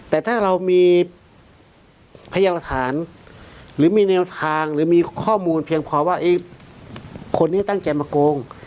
แต่ถ้าเรามีพยานหลักฐานหรือมีแนวทางหรือมีข้อมูลเพียงพอว่าคนนี้ตั้งใจมาโกง